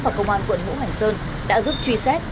và công an quận ngũ hành sơn đã giúp truy xét